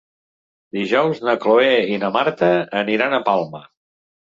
Dijous na Cloè i na Marta aniran a Palma.